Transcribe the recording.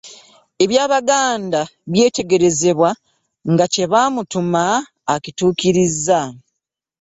Eby’e Buganda byetegerezebwa nga kye baamutuma akituukirizza.